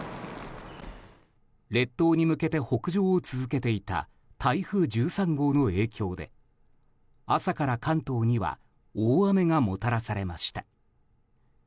列島に向けて北上を続けていた台風１３号の影響で朝から関東には大雨がもたらされました。